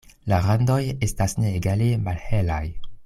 La randoj estas neegale malhelaj.